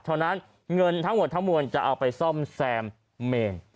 เท่านั้นเงินทั้งหมดทั้งมวลจะเอาไปซ่อมแซมเมน